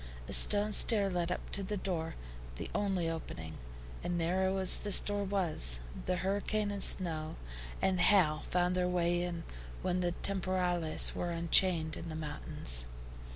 A stone stair led up to the door, the only opening; and narrow as this door was, the hurricane, and snow, and hail found their way in when the TEMPORALES were unchained in the mountains.